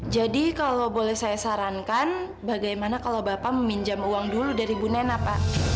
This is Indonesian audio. jadi kalau boleh saya sarankan bagaimana kalau bapak meminjam uang dulu dari ibu nena pak